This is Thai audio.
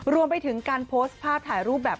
รวมไปถึงการโพสต์ภาพถ่ายรูปแบบ